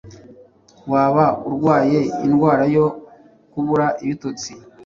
Waba urwaye indwara yo kubura ibitotsi,